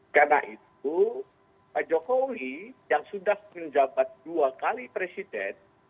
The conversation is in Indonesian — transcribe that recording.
karena itu pak jokowi yang sudah menjabat dua kali presiden